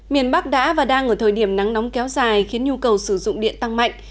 miền bắc đã và đang ở thời điểm nắng nóng kéo dài khiến nhu cầu sử dụng điện tăng mạnh